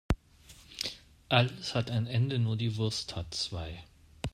Alles hat ein Ende, nur die Wurst hat zwei.